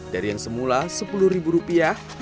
dari yang semula rp sepuluh menjadi rp dua belas per kilogram